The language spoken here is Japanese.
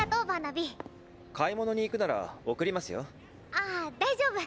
あー大丈夫。